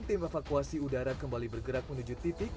tim evakuasi udara kembali bergerak menuju titik